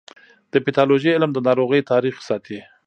د پیتالوژي علم د ناروغیو تاریخ ساتي.